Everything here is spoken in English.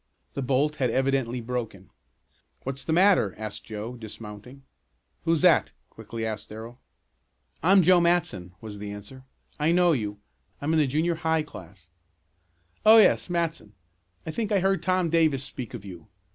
The bolt had evidently broken. "What's the matter?" asked Joe, dismounting. "Who's that?" quickly asked Darrell. "I'm Joe Matson," was the answer. "I know you. I'm in the junior high class." "Oh, yes. Matson, I think I heard Tom Davis speak of you.